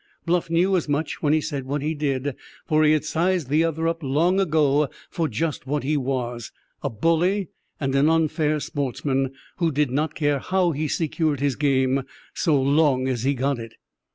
Bluff knew as much when he said what he did, for he had sized the other up long ago for just what he was—a bully and an unfair sportsman, who did not care how he secured his game so long as he got it.